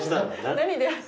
何で？